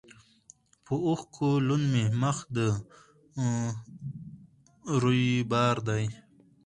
په اوښکو لوند مي مخ د رویبار دی